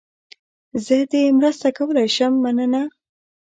زه دې مرسته کولای شم، مننه.